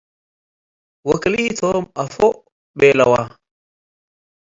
ወክልኢቶም፣ “አፎ!” ቤለዎ'።